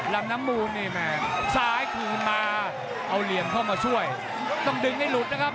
ลำน้ำมูลนี่แม่ซ้ายคืนมาเอาเหลี่ยมเข้ามาช่วยต้องดึงให้หลุดนะครับ